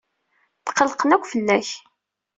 Tqellqen akk fell-ak.